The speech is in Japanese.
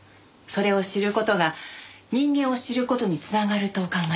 それを知る事が人間を知る事に繋がると考えています。